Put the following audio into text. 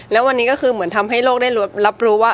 แล้ววันนี้ก็คือเหมือนทำให้โลกได้รับรู้ว่า